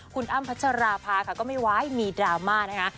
คุณอ้ำพัชราภาค่ะก็ไม่ไหวมีดราม่านะคะ